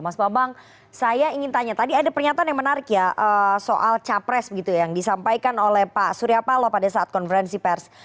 mas bambang saya ingin tanya tadi ada pernyataan yang menarik ya soal capres yang disampaikan oleh pak surya paloh pada saat konferensi pers